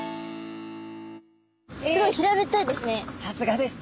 さすがです！